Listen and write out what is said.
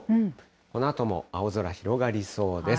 このあとも青空、広がりそうです。